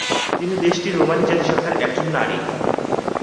তিনি দেশটির রোমানি জাতিসত্তার একজন নারী।